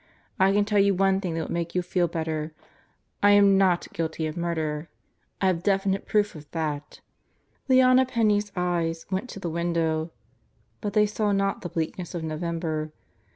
I can tell you one thing that will make you feel better: I am not guilty of murder I I have definite proof of that. ... Leona Penney's eyes went to the window, but they saw not the bleakness of November.